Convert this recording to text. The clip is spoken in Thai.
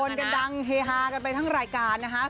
กันดังเฮฮากันไปทั้งรายการนะคะ